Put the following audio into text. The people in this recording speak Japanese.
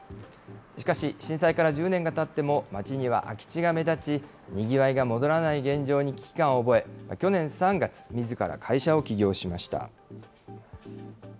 しかし、震災から１０年がたっても、町には空き地が目立ち、にぎわいが戻らない現状に危機感を覚え、去年３月、みずから会社を起業しました。